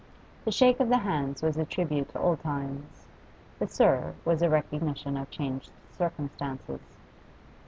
The shake of the hands was a tribute to old times, the 'sir' was a recognition of changed circumstances.